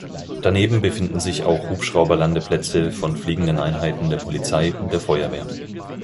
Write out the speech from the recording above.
Daneben befinden sich auch Hubschrauberlandeplätze von fliegenden Einheiten der Polizei und der Feuerwehr.